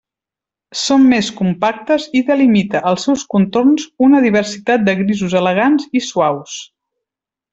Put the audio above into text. Són més compactes i delimita els seus contorns una diversitat de grisos elegants i suaus.